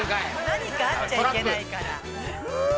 ◆何かあっちゃいけないから。